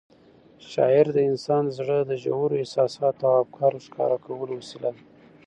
شاعري د انسان د زړه د ژورو احساساتو او افکارو ښکاره کولو وسیله ده.